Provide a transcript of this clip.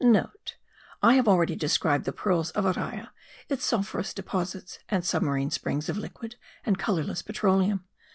*(* I have already described the pearls of Araya; its sulphurous deposits and submarine springs of liquid and colourless petroleum.